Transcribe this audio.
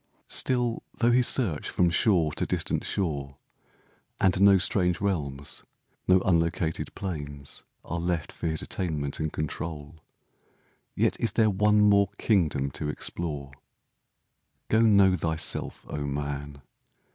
Still, though he search from shore to distant shore, And no strange realms, no unlocated plains Are left for his attainment and control, Yet is there one more kingdom to explore. Go, know thyself, O man!